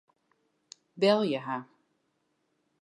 Belje har.